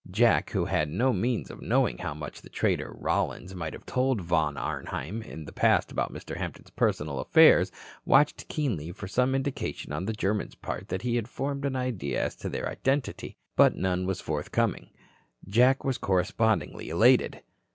Jack, who had no means of knowing how much the traitor, Rollins, might have told Von Arnheim in the past about Mr. Hampton's personal affairs, watched keenly for some indication on the German's part that he had formed an idea as to their identity, but none was forthcoming. Jack was correspondingly elated.